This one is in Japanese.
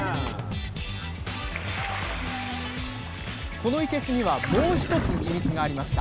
このいけすにはもう一つヒミツがありました。